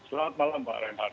selamat malam pak reman